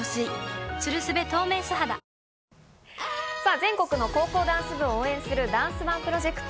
全国の高校ダンス部を応援するダンスＯＮＥプロジェクト。